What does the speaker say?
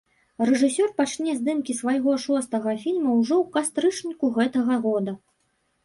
Рэжысёр пачне здымкі свайго шостага фільма ўжо ў кастрычніку гэтага года.